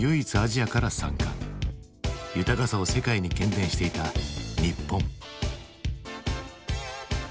豊かさを世界に喧伝していた日本。